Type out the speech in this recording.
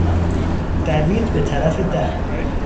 دوید به طرف در.